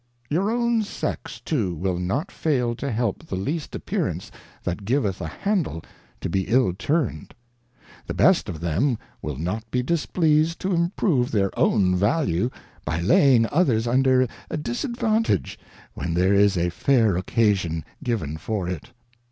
Your own Sex too will not fail to help the least Appearance that giveth a Handle to be ill turned. The best of them will not be displeased to improve their own Value, by laying others under a Disadvaniage, when there' is a fair Occasion given for it.